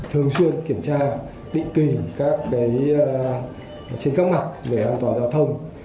thường xuyên kiểm tra định tình các bế trên các mặt về an toàn giao thông